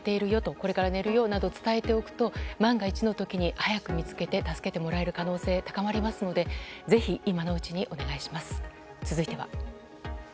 これから寝るよなどと伝えておくと、万が一の時に早く見つけて助けてもらえる可能性が高まりますのでぜひ今のうちにお願いします。